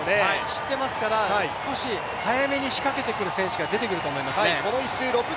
知っていますから少し早めに仕掛けてくる選手が出てくると思いますね。